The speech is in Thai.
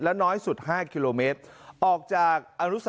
และน้อยสุด๕กิโลเมตรออกจาก